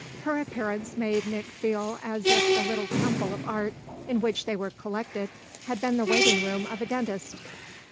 Her appearance made Nick feel as if the little temple of art in which they were collected had been the waiting room of a dentist.